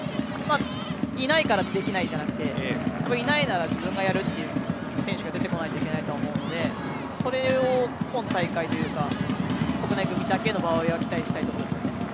いないから、できないじゃなくていないなら自分がやるという選手が出てこないといけないと思うのでそれを今大会というか国内組だけの場合は期待したいと思いますね。